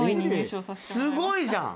すごいじゃん！